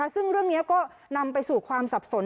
ซึ่งเรื่องนี้ก็นำไปสู่ความสับสน